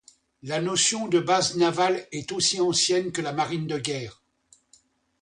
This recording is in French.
La notion de base navale est aussi ancienne que la Marine de Guerre.